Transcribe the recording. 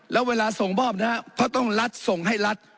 แล้วเวลาส่งมอบนะครับเพราะต้องรัฐส่งให้รัฐ